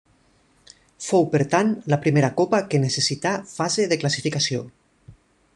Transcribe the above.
Fou, per tant, la primera Copa que necessità fase de classificació.